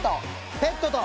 ペットと。